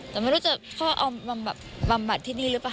แต่ไม่รู้จะพ่อเอาบำบัดที่นี่หรือเปล่า